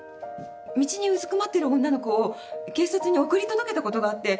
道にうずくまってる女の子を警察に送り届けたことがあって。